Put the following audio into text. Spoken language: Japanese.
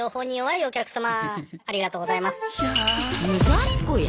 いや。